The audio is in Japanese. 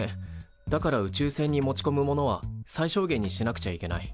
だから宇宙船に持ちこむものは最小限にしなくちゃいけない。